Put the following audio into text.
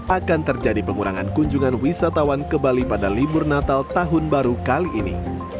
akan terjadi pengurangan kunjungan wisatawan ke bali pada libur natal tahun baru kali ini